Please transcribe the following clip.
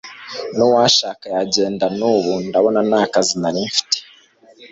nuwashaka yagenda nubu ndabona nakazi narimfite